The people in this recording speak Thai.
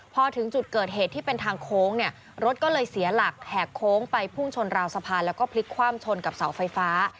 พอถึงจุดเกิดเหตุที่เป็นทางโค้งเนี่ยรถก็เลยเสียหลักแหกโค้งไปพุ่งชนราวสะพานแล้วก็พลิกคว่ำชนกับเสาไฟฟ้า